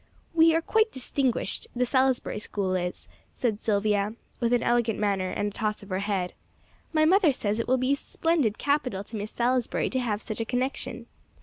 "We are quite distinguished the Salisbury School is," said Silvia, with an elegant manner, and a toss of her head. "My mother says it will be splendid capital to Miss Salisbury to have such a connection."